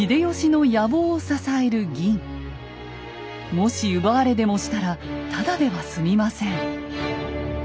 もし奪われでもしたらただでは済みません。